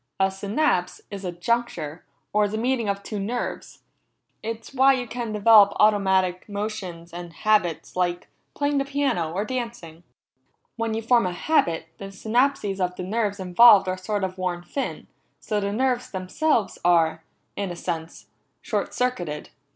"A synapse is a juncture, or the meeting of two nerves. It's why you can develop automatic motions and habits, like playing piano, or dancing. When you form a habit, the synapses of the nerves involved are sort of worn thin, so the nerves themselves are, in a sense, short circuited.